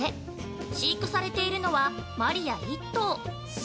飼育されているのはマリヤ１頭。